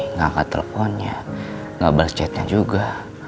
nggak angkat teleponnya gak bales chatnya juga